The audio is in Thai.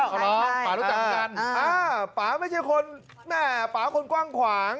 ใช่ป๋ารู้จักเหมือนกันป๋าไม่ใช่คนแม่ป๋าคนกว้างขวาง